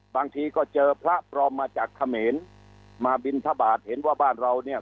บางทีก็เจอพระปลอมมาจากเขมรมาบินทบาทเห็นว่าบ้านเราเนี่ย